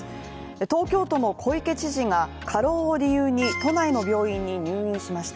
東京都の小池知事が過労を理由に都内の病院に入院しました。